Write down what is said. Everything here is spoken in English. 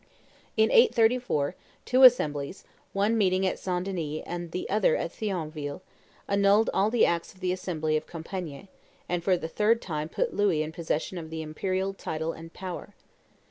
In 834, two assemblies, one meeting at St. Denis and the other at Thionville, annulled all the acts of the assembly of Compiegne, and for the third time put Louis in possession of the imperial title and power.